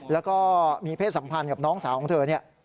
แล้วก็มีเพศสัมพันธ์กับน้องสาวของเธอเนี่ย